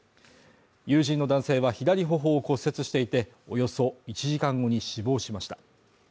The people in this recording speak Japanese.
友人の男性は左頬を骨折していて、およそ１時間後に死亡しました。